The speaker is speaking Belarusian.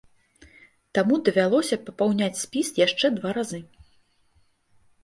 Таму давялося папаўняць спіс яшчэ два разы.